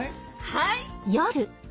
はい！